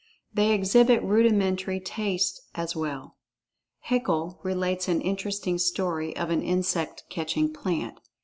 They exhibit rudimentary taste as well. Haeckel relates an interesting story of an insect catching plant.